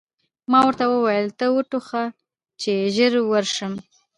ما ورته وویل: ته و ټوخه، چې ژر ورشم.